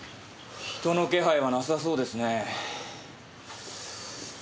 人の気配はなさそうですね。